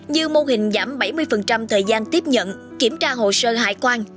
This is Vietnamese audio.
như mô hình giảm bảy mươi thời gian tiếp nhận kiểm tra hồ sơ hải quan